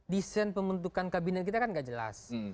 desain pembentukan kabinet kita kan gak jelas